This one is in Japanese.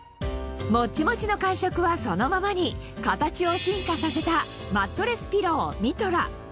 モッチモチの感触はそのままに形を進化させた「マットレスピローミトラ」